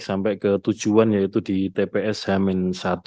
sampai ke tujuan yaitu di tps hamin satu